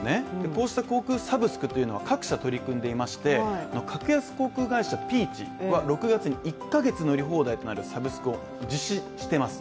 こうした航空サブスクは各社取り組んでいまして格安航空会社ピーチは６月に１か月乗り放題となるサブスクを実施しています。